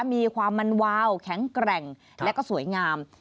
มีความมันวาวแข็งแกร่งและก็สวยงาม